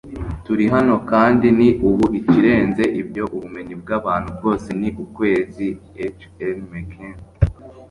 turi hano kandi ni ubu. ikirenze ibyo, ubumenyi bw'abantu bwose ni ukwezi. - h. l. mencken